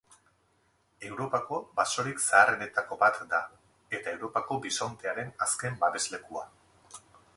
Europako basorik zaharrenetako bat da eta Europako bisontearen azken babeslekua.